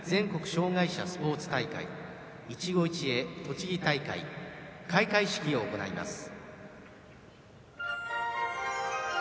障害者スポーツ大会「いちご一会とちぎ大会」開会式を行います。